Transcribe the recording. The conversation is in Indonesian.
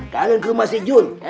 kalian ke rumah si jun